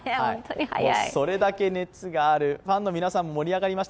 それだけ熱がある、ファンの皆さんも盛り上がりました。